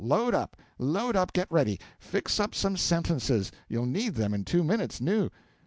Load up; load up; get ready. Fix up some sentences; you'll need them in two minutes now.